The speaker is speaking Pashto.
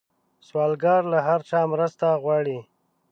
سوالګر له هر چا مرسته غواړي